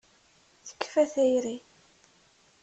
Tekfa tayri.